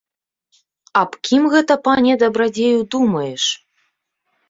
Аб кім гэта, пане дабрадзею, думаеш?